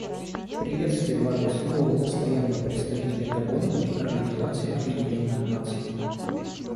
Приветствие в адрес нового Постоянного представителя Габона при Организации Объединенных Наций.